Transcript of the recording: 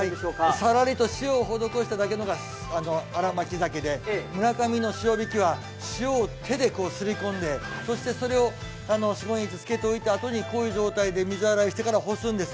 さらりと塩を施しただけが新巻鮭で村上の塩引きは塩を手ですり込んでそしてそれをしばらくこういう状態でつけ込んでから水洗いしてから干すんです。